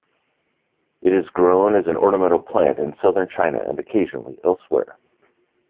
It is grown as an ornamental plant in southern China and occasionally elsewhere.